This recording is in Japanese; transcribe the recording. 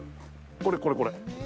これこれこれ。